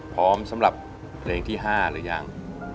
พร้อมสำหรับเพลงที่๕หรือยัง